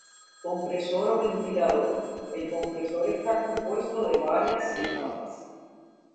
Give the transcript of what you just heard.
Compresor o ventilador: el compresor está compuesto de varias etapas.